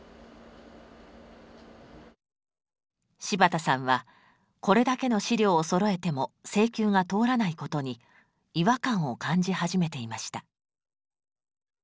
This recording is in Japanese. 柴田さんはこれだけの資料をそろえても請求が通らないことに違和感を感じ始めていました。